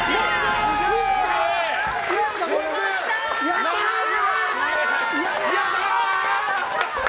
やったー！